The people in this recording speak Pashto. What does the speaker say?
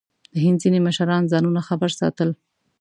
د هند ځینې مشران ځانونه خبر ساتل.